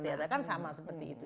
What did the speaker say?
omikron akan seperti itu